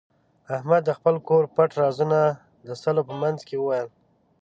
احمد د خپل کور پټ رازونه د سلو په منځ کې وویل.